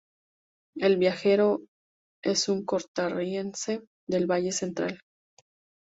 El viajero es un costarricense del Valle Central.